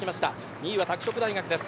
２位は拓殖大学です。